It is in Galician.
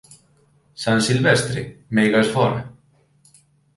San Silvestre, meigas fóra!